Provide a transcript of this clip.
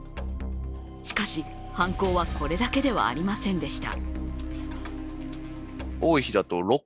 しかし、犯行はこれだけではありませんでした。